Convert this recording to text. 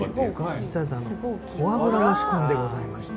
実はフォアグラを仕込んでございまして。